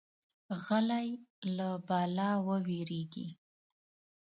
غلی، له بلا ووېریږي.